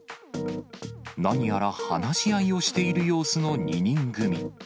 何やら話し合いをしている様子の２人組。